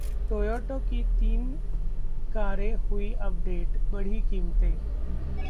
Toyota की ये तीन कारें हुईं अपडेट, बढ़ी कीमतें